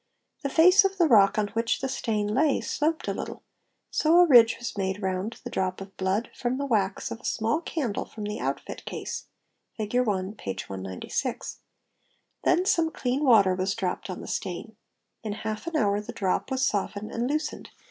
The | face of the rock on which the stain lay sloped a little, so a ridge was made | Tound the drop of blood from the wax of a small candle from the outfit 'ease (Fig. 1, p. 196) ; then some clean water was dropped on the stain. In half an hour the drop was softened and loosened.